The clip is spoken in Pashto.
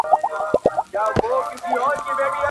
د دلدار د فراق غم را باندي ډېر سو،